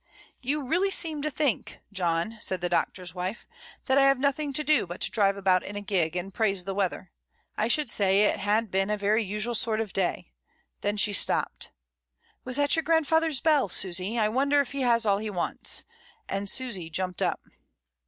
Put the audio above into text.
"You really seem to think, John," said the Doc tor's wife, "that I have nothing to do but to drive about in a gig, and praise the weather. I should say it had been a very usual sort of day," then she stopped. "Was that your grandfather's bell, Susy? I wonder if he has all he wants;" and Susy jumped up.